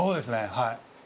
はい。